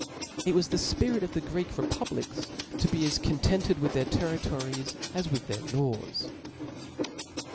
It was the fpirit of the Greek republics to be as coQtented with their territories, as with their laws.